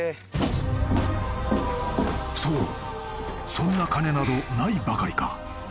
そんな金などないばかりか